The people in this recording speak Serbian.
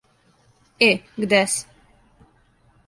Е, где си?